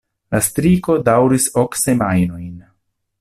La striko daŭris ok semajnojn.